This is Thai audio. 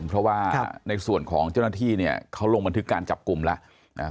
เพราะว่าในส่วนของเจ้าหน้าที่เนี่ยเขาลงบันทึกการจับกลุ่มแล้ว